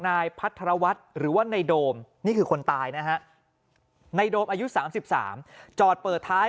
นายพัทรวัฒน์หรือว่าในโดมนี่คือคนตายนะฮะในโดมอายุ๓๓จอดเปิดท้าย